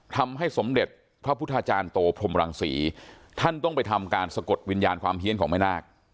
ทำให้สมเด็จพระพุทธาจารย์โตพรมรังศรีท่านต้องไปทำการสะกดวิญญาณความเฮียนของแม่นาค